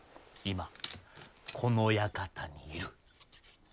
今この館にいる。